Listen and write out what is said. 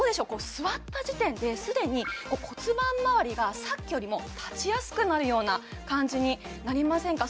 座った時点で既に骨盤まわりがさっきよりも立ちやすくなるような感じになりませんか？